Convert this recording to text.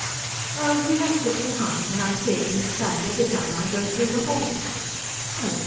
"Oh, he left it behind, and I see it in the stand every time I go through the hall." "No!